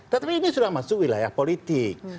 tetapi ini sudah masuk wilayah politik